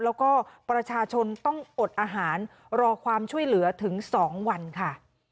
แล้วก็ประชาชนต้องอดอาหารรอความช่วยเหลือถึง๒วันค่ะ